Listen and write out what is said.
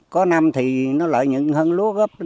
có năm thì nó lợi nhận hơn lúa gấp